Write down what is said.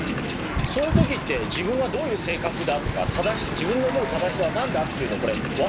そういう時って自分はどういう性格だとか自分の思う正しさは何だっていうのこれ分かりますかね？